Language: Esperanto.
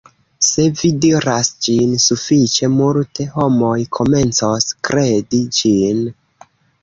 se vi diras ĝin sufiĉe multe, homoj komencos kredi ĝin